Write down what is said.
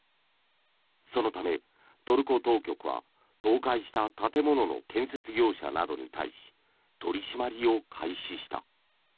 そのため、トルコ当局は倒壊した建物の建設業者などに対し取り締まりを開始した。